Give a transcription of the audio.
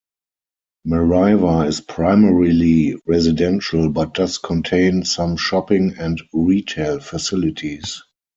Merriwa is primarily residential, but does contain some shopping and retail facilities.